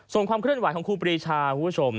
ส่วนความเคลื่อนไหวของครูปรีชาคุณผู้ชม